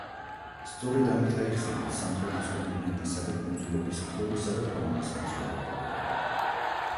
სწორედ ამით აიხსნება სამხრეთის კონტინენტისა და კუნძულების ფლორისა და ფაუნის განსხვავებულობა.